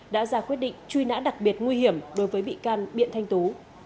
đã ra quyết định truy nã đặc biệt nguy hiểm đối với bị can biện thanh tú